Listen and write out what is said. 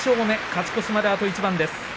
勝ち越しまで、あと一番です。